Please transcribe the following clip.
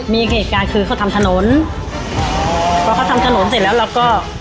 มีเหตุการณ์คือเขาทำถนนพอเขาทำถนนเสร็จแล้วเราก็